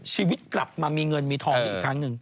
ชีวิตกลับมามีเงินมีทองขึ้นอีกครั้งหนึ่ง